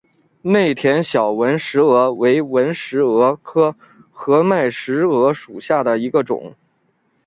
内田小纹石蛾为纹石蛾科合脉石蛾属下的一个种。